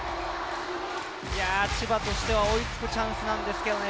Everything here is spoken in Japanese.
千葉としては追いつくチャンスなんですけれどね。